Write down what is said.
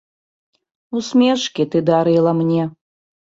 Усмешкі ты дарыла мне.